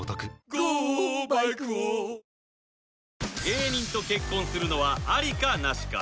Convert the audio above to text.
芸人と結婚するのはアリかナシか